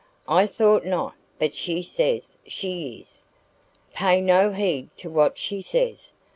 "I thought not, but she says she is." "Pay no heed to what she says.